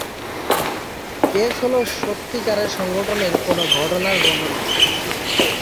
Case হলো সত্যিকারের সংগঠনের কোন ঘটনার বর্ণনা।